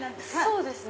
そうですね。